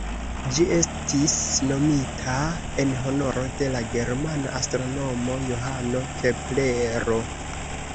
Ĝi estis nomita en honoro de la germana astronomo Johano Keplero.